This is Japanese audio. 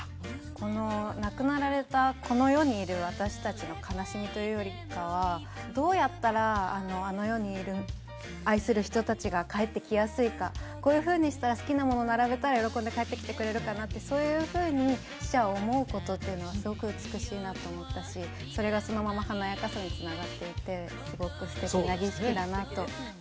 この亡くなられたこの世にいる私達の悲しみというよりかはどうやったらあの世にいる愛する人達が帰ってきやすいかこういうふうにしたら好きなものを並べたら喜んで帰ってきてくれるかなってそういうふうに死者を思うことっていうのはすごく美しいなと思ったしそれがそのまま華やかさにつながっていてすごく素敵な儀式だなとそうですね